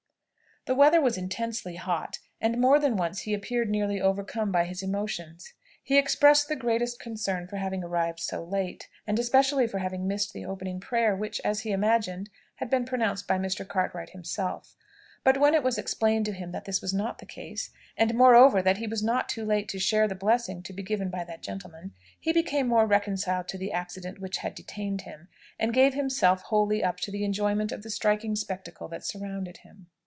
The weather was intensely hot, and more than once he appeared nearly overcome by his emotions. He expressed the greatest concern for having arrived so late, and especially for having missed the opening prayer, which, as he imagined, had been pronounced by Mr. Cartwright himself; but when it was explained to him that this was not the case, and, moreover, that he was not too late to share the blessing to be given by that gentleman, he became more reconciled to the accident which had detained him, and gave himself wholly up to the enjoyment of the striking spectacle that surrounded him.